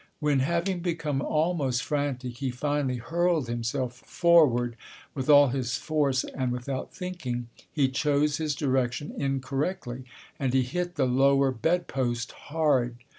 When, having become almost frantic, he finally hurled himself forward with all his force and without thinking, he chose his direction incorrectly, and he hit the lower bedpost hard.